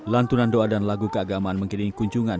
lantunan doa dan lagu keagamaan mengiringi kunjungan